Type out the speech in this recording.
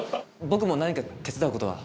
僕も何か手伝うことは。